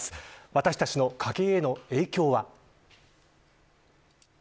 私たちの家計への影響は。